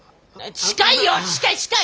近い近い！